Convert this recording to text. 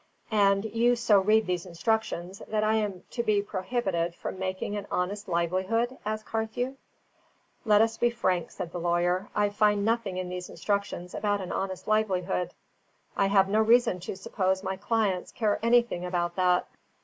"And you so read these instructions, that I am to be prohibited from making an honest livelihood?" asked Carthew. "Let us be frank," said the lawyer. "I find nothing in these instructions about an honest livelihood. I have no reason to suppose my clients care anything about that.